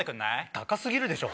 高過ぎるでしょ！